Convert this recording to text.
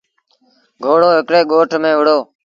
گھوڙو هڪڙي ڳوٺ ميݩ وهُڙو۔